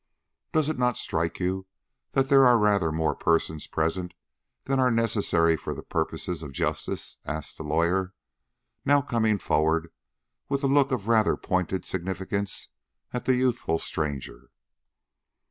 "Does it not strike you that there are rather more persons present than are necessary for the purposes of justice?" asked the lawyer, now coming forward with a look of rather pointed significance at the youthful stranger.